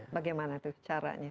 bagaimana itu caranya